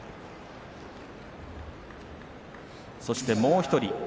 そしてもう１人。